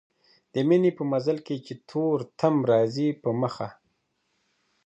د ميني په مزل کي چي تور تم راځي په مخه